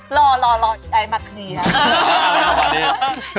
เออรอไอ้มักคืนนี้ครับเห็นไหม